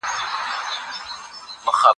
تکړښت د ښوونکي له خوا تنظيم کيږي.